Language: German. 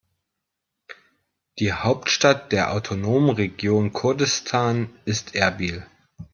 Die Hauptstadt der autonomen Region Kurdistan ist Erbil.